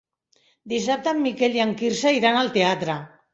Dissabte en Miquel i en Quirze iran al teatre.